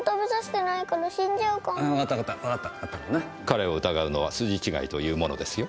彼を疑うのは筋違いというものですよ。